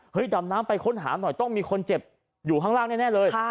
ดำน้ำไปค้นหาหน่อยต้องมีคนเจ็บอยู่ข้างล่างแน่เลย